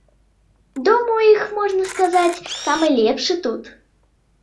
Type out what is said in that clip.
Дом у іх, можна сказаць, самы лепшы тут.